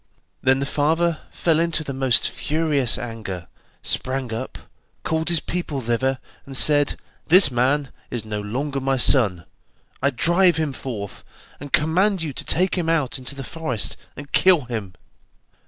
Then the father fell into the most furious anger, sprang up, called his people thither, and said: 'This man is no longer my son, I drive him forth, and command you to take him out into the forest, and kill him.